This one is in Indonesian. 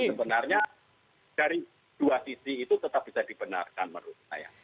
dan sebenarnya dari dua sisi itu tetap bisa dibenarkan menurut saya